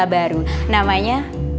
masa aku kemana